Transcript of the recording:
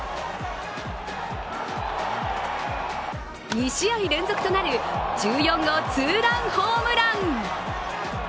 ２試合連続となる１４号ツーランホームラン。